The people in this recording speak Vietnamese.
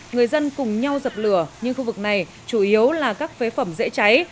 người dân cùng nhau dập lửa nhưng khu vực này chủ yếu là các phế phẩm dễ cháy